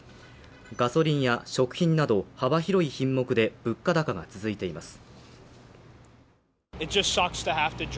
ガソリンや食品など幅広い品目で物価高が続いています